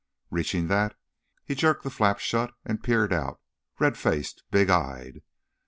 Reaching that, he jerked the flap shut and peered out, red faced, big eyed.